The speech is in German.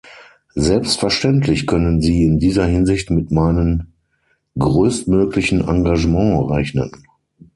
Selbstverständlich können Sie in dieser Hinsicht mit meinem größtmöglichen Engagement rechnen.